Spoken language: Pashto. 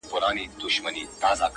تر غوړ لمر لاندي يې تل كول مزلونه!.